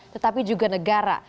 tetapi juga negara